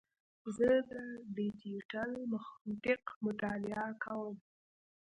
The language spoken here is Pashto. زه د ډیجیټل منطق مطالعه کوم.